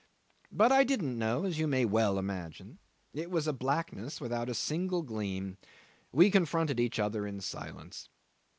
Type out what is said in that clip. But I didn't know, as you may well imagine. It was a blackness without a single gleam. We confronted each other in silence.